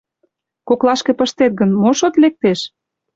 Коклашке пыштет гын, мо шот лектеш?